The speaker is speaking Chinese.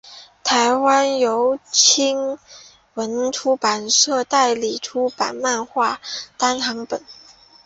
台湾由青文出版社代理出版漫画单行本。